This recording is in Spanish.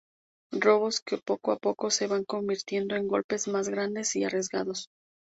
Robos que poco a poco se van convirtiendo en golpes más grandes y arriesgados.